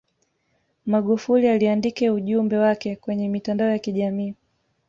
magufuli aliandike ujumbe wake kwenye mitandao ya kijamii